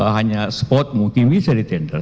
hanya spot mungkin bisa di tender